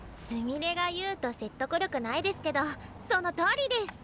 すみれが言うと説得力ないですけどそのとおりデス。